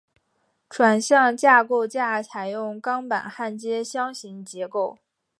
转向架构架采用钢板焊接箱型结构。